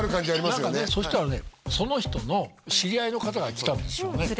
何かねそしたらねその人の知り合いの方が言ってたんですよね